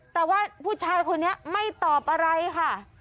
แต่ว่าผู้ชายคนนี้ไม่ตอบอะไรค่ะ